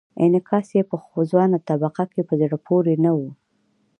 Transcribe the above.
انعکاس یې په ځوانه طبقه کې په زړه پورې نه و.